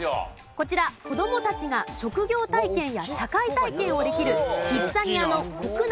こちら子供たちが職業体験や社会体験をできるキッザニアの国内